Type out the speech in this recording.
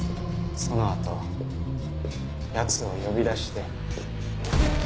そのあと奴を呼び出して。